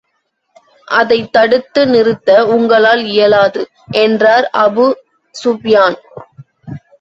அதைத் தடுத்து நிறுத்த உங்களால் இயலாது. என்றார் அபூ ஸுப்யான்.